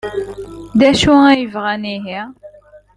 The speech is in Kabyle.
D acu ay bɣan ihi?